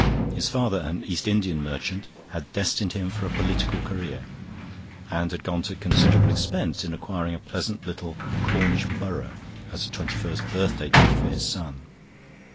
His father, an East Indian merchant, had destined him for a political career, and had gone to considerable expense in acquiring a pleasant little Cornish borough as a twenty first birthday gift for his son.